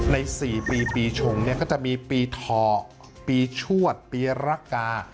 ใน๔ปีปีชงก็จะมีปีธปีชวดปีระกา